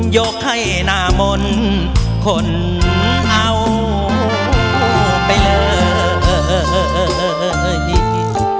ยกให้นามนขนเอาไปเลย